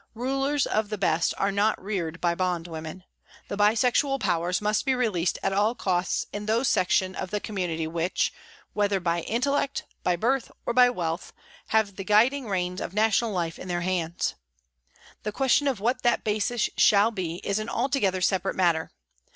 Rulers of the best are not reared by bondwomen. The bi sexual powers must be released at all costs in those sections of the community which, whether by intellect, by birth, or by wealth, have the guiding reins of national life in their hands. The question of what that basis shall be is an altogether separate matter.